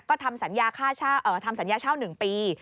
ก็ทำสัญญาเช่า๑ปี